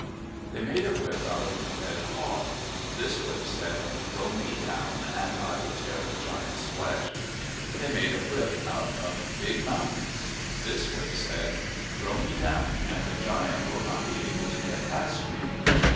They made a whip out of red haw. This whip said, "Throw me down, and I will tear the giant's flesh." They made a whip out of big mountains. This whip said, " Throw me down and the giant will not be able to get past me.'